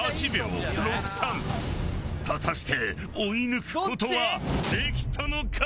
果たして追い抜く事はできたのか？